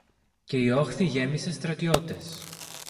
Και η όχθη γέμισε στρατιώτες.